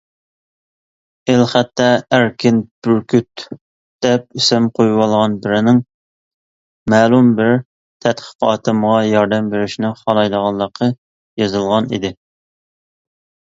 ئېلخەتتە «ئەركىن بۈركۈت» دەپ ئىسىم قويۇۋالغان بىرىنىڭ مەلۇم بىر تەتقىقاتىمغا ياردەم بېرىشنى خالايدىغانلىقى يېزىلغان ئىدى.